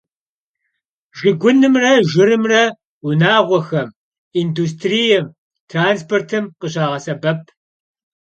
Şşıgunımre jjırımre vunağuexem, yindustriêm, transportım khışağesebep.